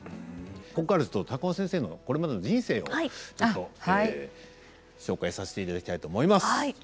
ここからはちょっと高尾先生のこれまでの人生を紹介させていただきたいと思います。